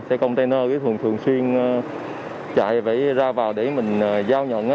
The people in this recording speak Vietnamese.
xe container thường xuyên chạy phải ra vào để mình giao nhận